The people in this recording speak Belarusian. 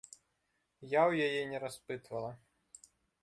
Я ў яе не распытвала.